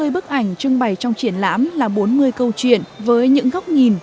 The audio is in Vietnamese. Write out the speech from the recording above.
năm mươi bức ảnh trưng bày trong triển lãm là bốn mươi câu chuyện với những góc nhìn